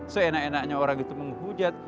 seenak enaknya orang itu menghujat